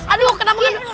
aduh kenapa kenapa